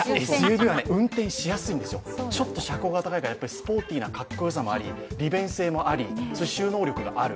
運転しやすいんですよ、ちょっと車高が高いから、スポーティーなかっこよさもあり利便性もあり、収納力もある。